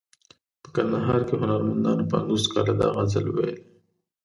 په کندهار کې هنرمندانو پنځوس کاله دا غزل ویلی.